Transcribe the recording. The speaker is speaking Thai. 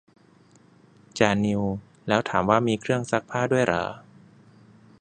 จ่านิว แล้วถามว่ามีเครื่องซักผ้าด้วยเหรอ